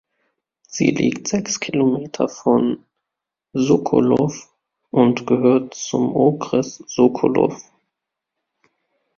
Sie liegt sechs Kilometer von Sokolov und gehört zum Okres Sokolov.